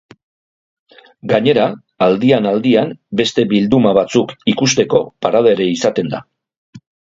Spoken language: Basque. Gainera, aldian-aldian beste bilduma batzuk ikusteko parada ere izaten da.